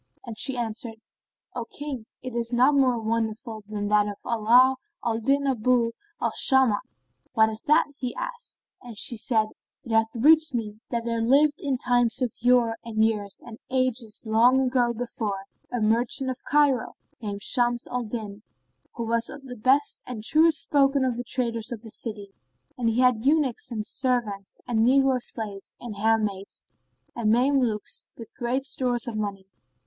And she answered, "O King, it is not more wonderful than that of ALA AL DIN ABU AL SHAMAT.[FN#24] "What is that?" asked he, and she said, It hath reached me that there lived, in times of yore and years and ages long gone before, a merchant of Cairo[FN#25] named Shams al Din, who was of the best and truest spoken of the traders of the city; and he had eunuchs and servants and negro slaves and handmaids and Mame lukes and great store of money.